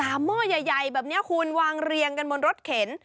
หม้อใหญ่แบบนี้คุณวางเรียงกันบนรถเข็น